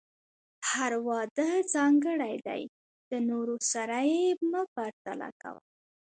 هر واده ځانګړی دی، د نورو سره یې مه پرتله کوه.